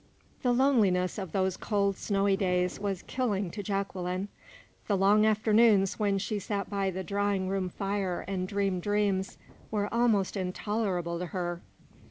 The loneliness of those cold, snowy days was killing to Jacqueline. The long afternoons when she sat by the drawing room fire and dreamed dreams, were almost intolerable to her.